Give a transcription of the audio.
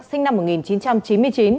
sinh năm một nghìn chín trăm chín mươi chín